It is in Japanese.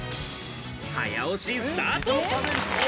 早押しスタート。